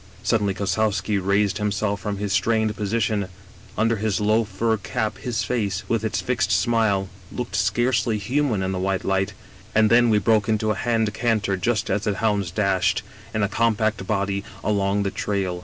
" Suddenly Kossowski raised himself from his strained position; under his low fur cap his face, with its fixed smile, looked scarcely human in the white light: and then we broke into a hand canter just as the hounds dashed, in a compact body, along the trail.